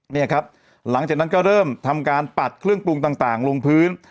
เนี่ยครับหลังจากนั้นก็เริ่มทำการปัดเครื่องปรุงต่างลงพื้น